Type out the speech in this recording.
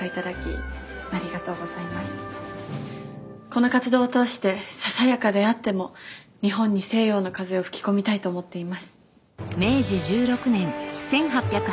この活動を通してささやかであっても日本に西洋の風を吹き込みたいと思っています。